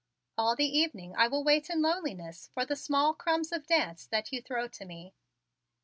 "All the evening I will wait in loneliness for the small crumbs of dance that you throw to me."